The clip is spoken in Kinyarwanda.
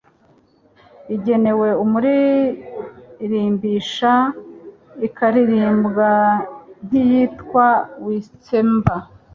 igenewe umuririmbisha, ikaririmbwa nk'iyitwa witsemba